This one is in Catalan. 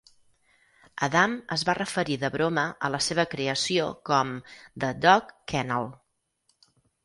Adam es va referir de broma a la seva creació com "The Dogg Kennel".